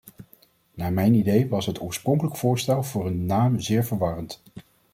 Naar mijn idee was het oorspronkelijke voorstel voor een naam zeer verwarrend.